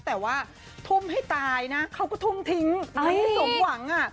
แต่ว่าทุ่มให้ตายนะเขาก็ทุ่มทิ้งให้สมหวัง